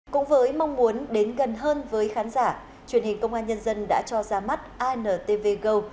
cũng với mong muốn đến gần hơn với khán giả truyền hình công an nhân dân đã cho ra mắt intv go